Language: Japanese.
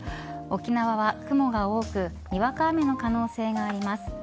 沖縄は雲が多くにわか雨の可能性があります。